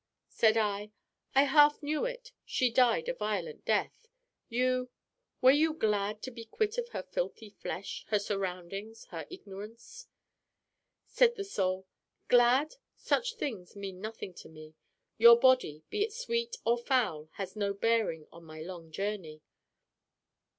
Said I: 'I half knew it she died a violent death. You were you glad to be quit of her filthy flesh, her surroundings, her ignorance?' Said the Soul: 'Glad? Such things mean nothing to me. Your body, be it sweet or foul, has no bearing on my long journey.